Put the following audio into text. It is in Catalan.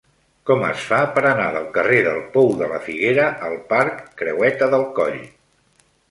Com es fa per anar del carrer del Pou de la Figuera al parc Creueta del Coll?